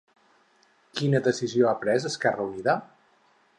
Quina decisió ha pres Esquerra Unida?